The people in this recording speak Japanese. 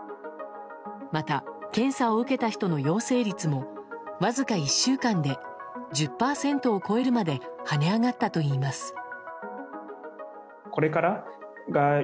また、検査を受けた人の陽性率もわずか１週間で１０％を超えるまで跳ね上がったといいます。